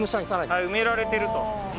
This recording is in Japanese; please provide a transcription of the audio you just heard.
はい埋められてると。